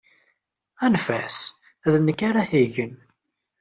Anef-as, d nekk ara t-igen.